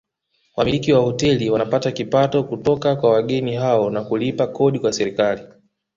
Wamiliki wa hoteli wanapata kipato kutoka kwa wageni hao na kulipa kodi kwa serikali